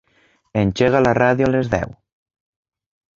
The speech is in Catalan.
Engega la ràdio a les deu.